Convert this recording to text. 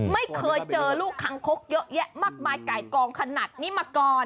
ไม่เคยเจอลูกคังคกเยอะแยะมากมายไก่กองขนาดนี้มาก่อน